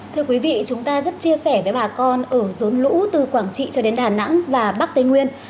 thưa quý vị chúng ta rất chia sẻ với bà con ở rốn lũ từ quảng trị cho đến đà nẵng và bắc tây nguyên